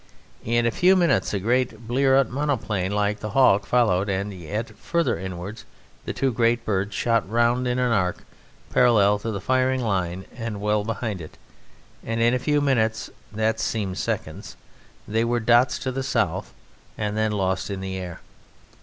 In a few minutes a great Bleriot monoplane like a hawk followed, yet further inwards. The two great birds shot round in an arc, parallel to the firing line, and well behind it, and in a few minutes, that seemed seconds, they were dots to the south and then lost in the air.